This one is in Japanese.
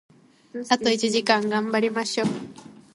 あと一時間、頑張りましょう！